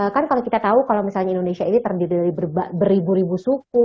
kan kalau kita tahu kalau misalnya indonesia ini terdiri dari beribu ribu suku